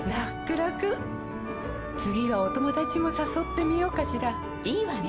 らくらくはお友達もさそってみようかしらいいわね！